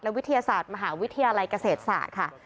วิทยาศาสตร์มหาวิทยาลัยเกษตรศาสตร์ค่ะ